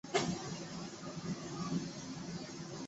它是氟化氯与含氧化合物反应产生的常见副产物。